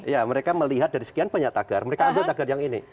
ya mereka melihat dari sekian banyak tagar mereka ambil tagar yang ini